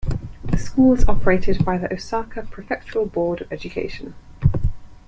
The school is operated by the Osaka Prefectural Board of Education.